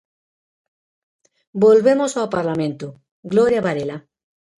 Volvemos ao parlamento, Gloria Varela.